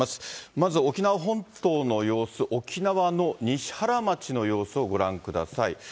まず沖縄本島の様子、沖縄の西原町の様子をご覧ください。